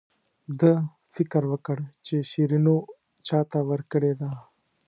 ده فکر وکړ چې شیرینو چاته ورکړې ده.